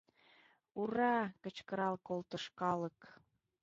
— Ура-а! — кычкырал колтыш калык.